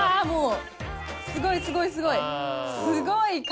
もうすごいすごいすごい！